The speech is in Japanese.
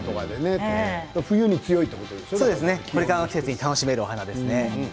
冬に強いというこれからの季節に楽しめるお花ですね。